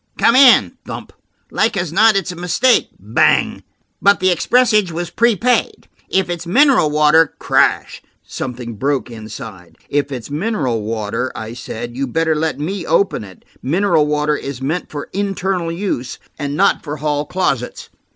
"Come in"–thump–"like as not it's a mistake"–bang–"but the expressage was prepaid. If it's mineral water–" crash. Something broke inside. "If it's mineral water," I said, "you'd better let me open it. Mineral water is meant for internal use, and not for hall carpets."